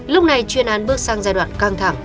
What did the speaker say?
lúc này chuyên án bước sang giai đoạn căng thẳng